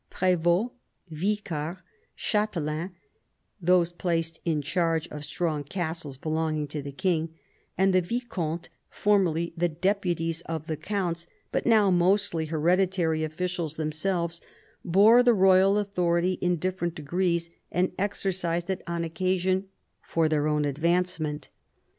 PrSvots, vicars, and chdtelains (those placed in charge of strong castles belonging to the king), and the vicomtes, formerly the deputies of the counts, but now mostly hereditary officials themselves, bore the royal authority in different degrees, and exercised it on occasion for v THE ADVANCE OF THE MONARCHY 123 their own advancement.